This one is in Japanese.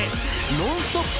ノンストップ！